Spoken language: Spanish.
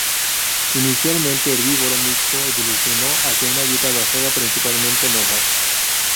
Inicialmente herbívoro mixto, evolucionó hacia una dieta basada principalmente en hojas.